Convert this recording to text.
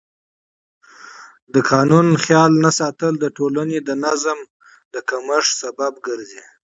د قانون نه مراعت د ټولنې د نظم د کمښت لامل ګرځي